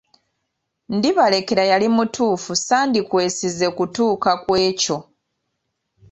Ndibalekera yali mutuufu sandikwesize kutuuka ku ekyo.